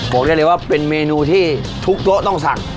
บอกได้เลยว่าเป็นเมนูที่ทุกโต๊ะต้องสั่ง